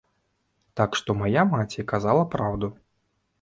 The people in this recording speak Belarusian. Так што мая маці казала праўду.